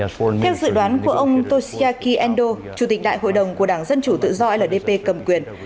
theo dự đoán của ông toshiyaki endo chủ tịch đại hội đồng của đảng dân chủ tự do ldp cầm quyền